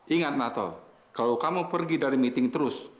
ingat nato kalau kamu pergi dari meeting terus